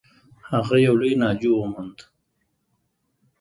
هغه یو لوی ناجو و موند.